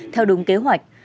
theo đúng kế hoạch